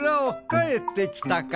かえってきたか。